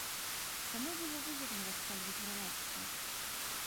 Каму было выгадна распальваць грамадства?